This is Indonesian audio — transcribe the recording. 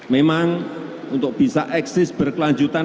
memang untuk bisa eksis berkelanjutan